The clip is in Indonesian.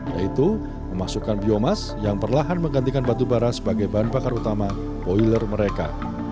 yaitu memasukkan biomass yang perlahan menggantikan batu bara sebagai bahan bakar utama boiler mereka